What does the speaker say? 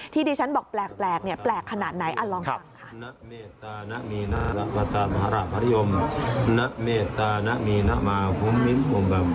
ที่ดิฉันบอกแปลกเนี่ยแปลกขนาดไหนลองฟังค่ะ